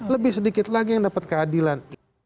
lebih sedikit lagi yang dapat keadilan